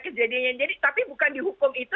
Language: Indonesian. kejadian jadi tapi bukan dihukum itu